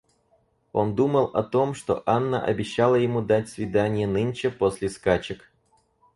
Он думал о том, что Анна обещала ему дать свиданье нынче после скачек.